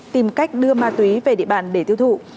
tìm cách đưa ma túy về địa bàn để tiêu thụ